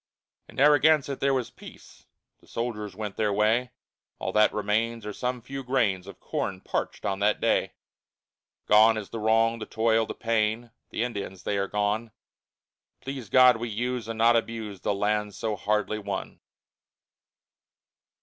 In Narragansett there was peace, The soldiers went their way, All that remains are some few grains Of corn parched on that day. Gone is the wrong, the toil, the pain, The Indians, they are gone. Please God we use, and not abuse The land so hardly won!